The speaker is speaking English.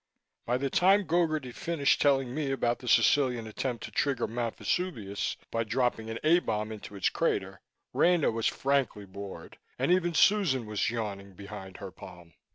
By the time Gogarty finished telling me about the Sicilian attempt to trigger Mt. Vesuvius by dropping an A bomb into its crater, Rena was frankly bored and even Susan was yawning behind her palm.